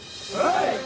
はい！